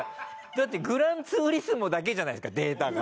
だって『グランツーリスモ』だけじゃないですかデータが。